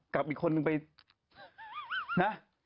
กับอีกคนนึงไปนะ